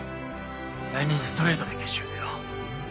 来年ストレートで決勝いくよ。